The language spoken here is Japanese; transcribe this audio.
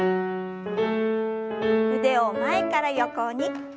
腕を前から横に。